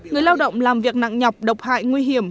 người lao động làm việc nặng nhọc độc hại nguy hiểm